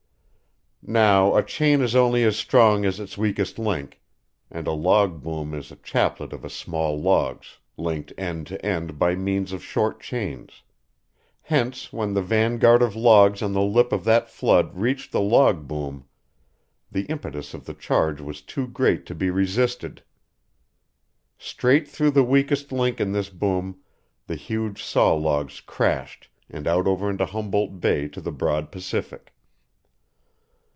Now, a chain is only as strong as its weakest link, and a log boom is a chaplet of a small logs, linked end to end by means of short chains; hence when the vanguard of logs on the lip of that flood reached the log boom, the impetus of the charge was too great to be resisted. Straight through the weakest link in this boom the huge saw logs crashed and out over Humboldt Bar to the broad Pacific.